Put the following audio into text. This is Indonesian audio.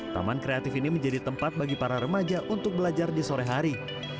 taman kreatif ini menjadi tempat bagi para remaja untuk belajar di sore hari